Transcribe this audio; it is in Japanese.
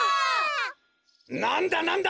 なんだなんだ？